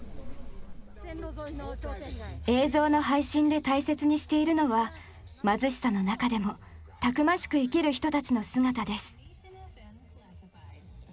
映像の配信で大切にしているのは貧しさの中でもたくましく生きる人たちの姿です。